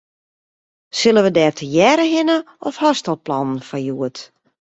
Sille we dêr tegearre hinne of hast al plannen foar hjoed?